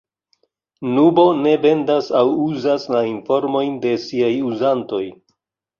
Nubo ne vendas aŭ uzas la informojn de siaj uzantoj.